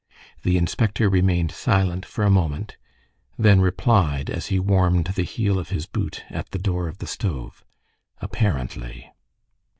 The inspector remained silent for a moment, then replied, as he warmed the heel of his boot at the door of the stove:— "Apparently."